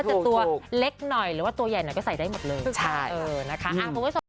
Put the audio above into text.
จะตัวเล็กหน่อยหรือว่าตัวใหญ่หน่อยก็ใส่ได้หมดเลยใช่เออนะคะคุณผู้ชม